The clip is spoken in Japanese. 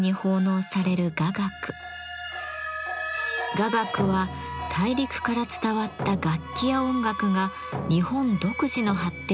雅楽は大陸から伝わった楽器や音楽が日本独自の発展を遂げたもの。